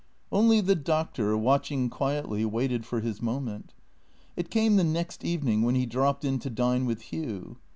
Only the Doctor, watching quietly, waited for his moment. It came the next evening when he dropped in to dine with Hugh.